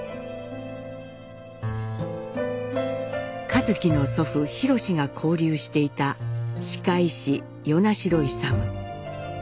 一輝の祖父廣が交流していた歯科医師与那城勇。